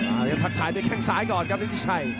อ้าวอย่าพักถ่ายด้วยแข่งซ้ายก่อนครับฤทธิชัย